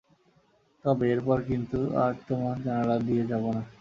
তবে এরপর কিন্তু আর তোমার জানালা দিয়ে যাবো না।